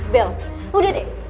bel udah deh